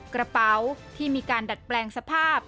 กระเป๋าที่มีการดัดแปลงสภาพ